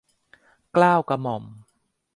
เกล้ากระหม่อม